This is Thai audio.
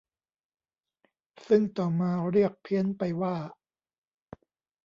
ซึ่งต่อมาเรียกเพี้ยนไปว่า